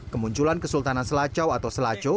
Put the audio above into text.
kemunculan kesultanan selacau atau selaco